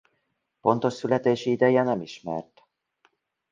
Pontos születési ideje nem ismert.